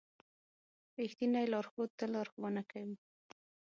رښتینی لارښود تل لارښوونه کوي.